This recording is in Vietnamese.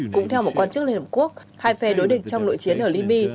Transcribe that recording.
cũng theo một quan chức liên hợp quốc hai phe đối địch trong nội chiến ở libya